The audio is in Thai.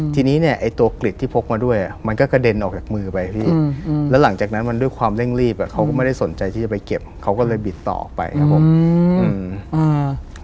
ทีนี้เนี้ยไอ้ตัวกลิดที่พกมาด้วยอ่ะมันก็กระเด็นออกจากมือไปพี่อืมแล้วหลังจากนั้นมันด้วยความเร่งรีบอ่ะเขาก็ไม่ได้สนใจที่จะไปเก็บเขาก็เลยบิดต่อออกไปครับผมอืมอ่า